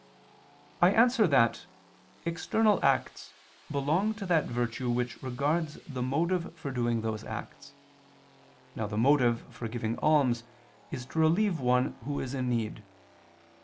I answer that, External acts belong to that virtue which regards the motive for doing those acts. Now the motive for giving alms is to relieve one who is in need.